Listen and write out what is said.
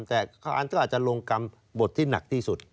แต่อันก็อาจจะลงกรรมบทที่หนักที่สุด